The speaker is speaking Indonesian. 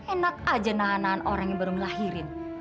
enak aja nahan nahan orang yang baru melahirin